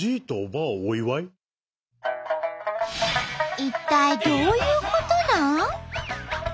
一体どういうことなん？